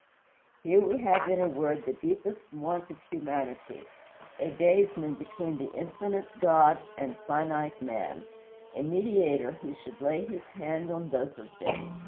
Here we have in a word the deepest want of humanity: a daysman between the infinite God and finite man; a Mediator who should lay his hand on both of them!